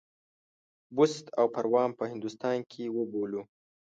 بُست او پروان په هندوستان کې وبولو.